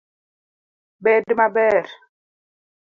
Bed maber.